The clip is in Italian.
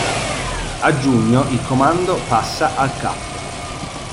A giugno il comando passa al Cap.